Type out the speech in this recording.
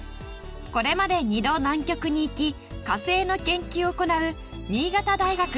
これまで２度南極に行き火星の研究を行う新潟大学野口里奈さん